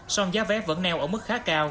song giá vé vẫn neo ở mức khá cao